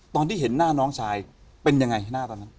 ตอนที่เห็นหน้าน้องชายเป็นยังไงหน้าตอนนั้น